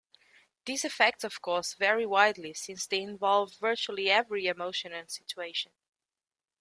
These effects of course vary widely, since they involve virtually every emotion and situation.